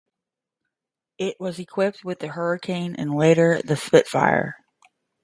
It was equipped with the Hurricane and later the Spitfire.